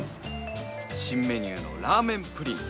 新メニューのラーメン・プリン！